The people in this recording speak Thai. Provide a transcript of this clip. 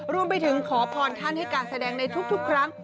รวมไปถึงขอพรท่านให้การแสดงในทุกครั้ง